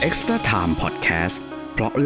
ครับผมสวัสดีครับ